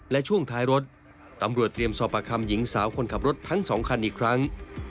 และช่วงท้ายรถตำรวจเตรียมสอบประคำหญิงสาวคนขับรถทั้ง๒คันอีกครั้ง